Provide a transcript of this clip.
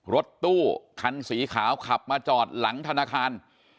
รถตู้คันสีขาวขับมาจอดหลังธนาคาร